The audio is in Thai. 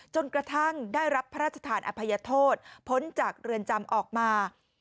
จนกระทั่งได้รับพระราชทานอภัยโทษพ้นจากเรือนจำออกมา